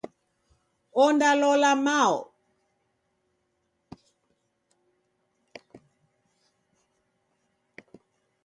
Onda lola mae.